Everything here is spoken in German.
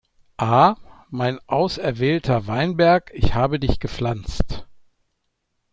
A: Mein auserwählter Weinberg, ich habe dich gepflanzt.